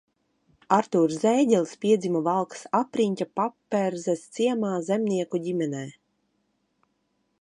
Artūrs Zēģelis piedzima Valkas apriņķa Paperzes ciemā zemnieka ģimenē.